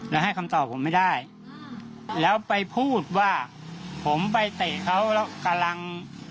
แล้วให้คำตอบผมไม่ได้แล้วไปพูดว่าผมไปเตะเขาแล้วกำลัง